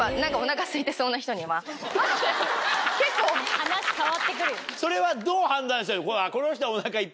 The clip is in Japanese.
話変わってくるよ。